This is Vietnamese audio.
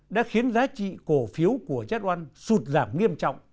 đã khiến giá trị cổ phiếu của jetone sụt giảm nghiêm trọng